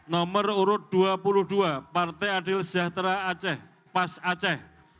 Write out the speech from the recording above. nomor urut dua puluh dua partai adil sejahtera aceh pas aceh